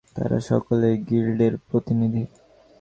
তারা সকলে গিল্ডের প্রতিনিধি।